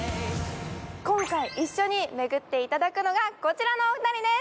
今回、一緒に巡っていただくのがこちらのお二人です。